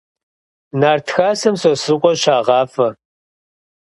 Нарт хасэм Сосрыкъуэ щагъафӀэ.